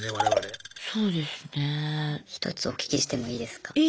１つお聞きしてもいいですか？